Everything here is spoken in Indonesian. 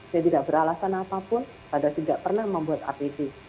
saya tidak beralasan apapun pada tidak pernah membuat apd